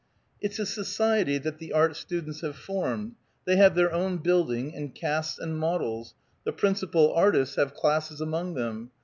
"It's a society that the art students have formed. They have their own building, and casts, and models; the principal artists have classes among them.